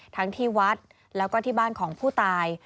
ทั้งที่วัดแล้วก็ที่บ้านของผู้ตาย